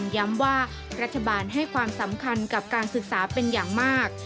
ย้ำว่ารัฐบาลให้ความสำคัญกับการศึกษาเป็นอย่างมาก